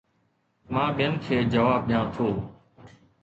مان ٻين کي جواب ڏيان ٿو